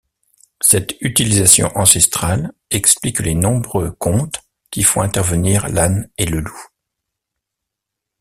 Cette utilisation ancestrale explique les nombreux contes qui font intervenir l'âne et le loup.